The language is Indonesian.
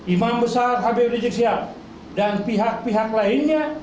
imam besar habib rizik sihab dan pihak pihak lainnya